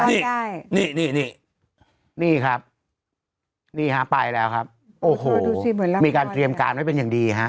นี่นี่นี่ครับนี่ฮะไปแล้วครับโอ้โหดูสิมีการเตรียมการไว้เป็นอย่างดีฮะ